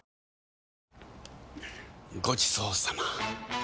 ごちそうさま！